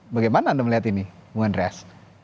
bagaimana anda melihat ini bung andreas